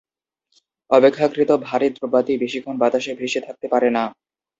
অপেক্ষাকৃত ভারি দ্রব্যাদি বেশিক্ষণ বাতাসে ভেসে থাকতে পারে না।